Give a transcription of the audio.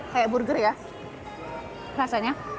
kayak burger ya rasanya